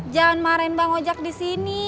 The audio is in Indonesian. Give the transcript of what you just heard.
jangan marahin mba ngojak disini